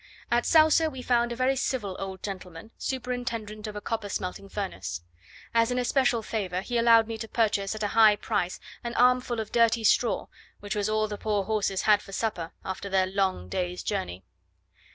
At Sauce we found a very civil old gentleman, superintendent of a copper smelting furnace. As an especial favour, he allowed me to purchase at a high price an armful of dirty straw, which was all the poor horses had for supper after their long day's journey.